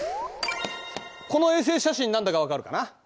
この衛星写真何だか分かるかな？